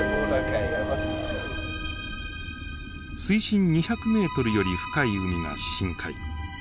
水深２００メートルより深い海が深海。